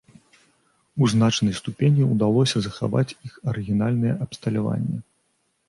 У значнай ступені ўдалося захаваць іх арыгінальнае абсталяванне.